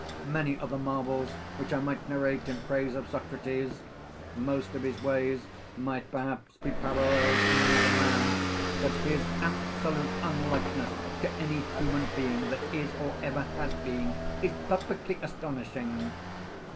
Many are the marvels which I might narrate in praise of Socrates; most of his ways might perhaps be paralleled in another man, but his absolute unlikeness to any human being that is or ever has been is perfectly astonishing.